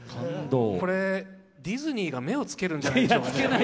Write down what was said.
これ、ディズニーが目をつけるんじゃないですかね。